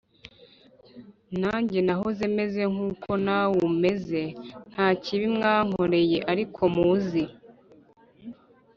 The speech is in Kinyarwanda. Nanjye nahoze meze nk uko namwe mumeze nta kibi mwankoreye ariko muzi